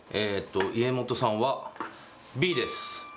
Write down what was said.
家元さんはＢです